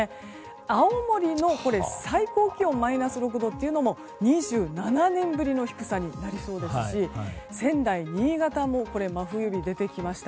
青森の最高気温マイナス６度というのも２７年ぶりの低さになりそうですし仙台、新潟も真冬日が出てきました。